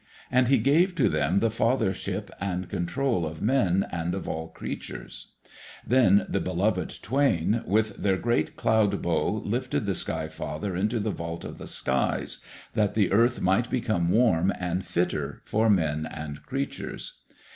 And he gave to them the fathership and control of men and of all creatures. Then the Beloved Twain, with their great cloud bow lifted the Sky father into the vault of the skies, that the earth might become warm and fitter for men and creatures.